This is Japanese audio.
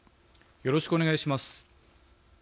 よろしくお願いします。